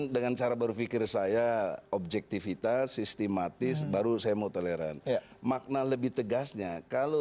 dengan cara berpikir saya objektifitas sistematis baru saya mau toleran makna lebih tegasnya kalau